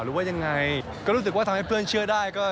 หรือว่ายังไงก็รู้สึกว่าทำให้เพื่อนเชื่อได้ก็